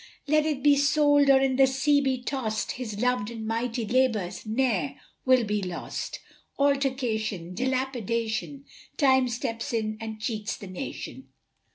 Let it be sold, or in the sea be tossed His loved and mighty labours ne'er will be lost. Altercation, dilapidation, Time steps in and cheats the nation!